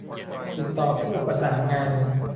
ติดต่อผู้ประสานงาน